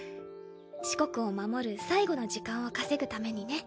四国を守る最後の時間を稼ぐためにね。